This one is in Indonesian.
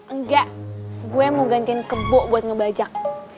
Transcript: enggak gue mau gantiin kebo buat ngebajak